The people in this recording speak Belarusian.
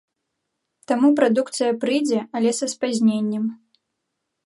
Таму прадукцыя прыйдзе, але са спазненнем.